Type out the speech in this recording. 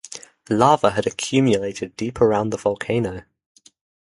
Lava had accumulated deep around the volcano.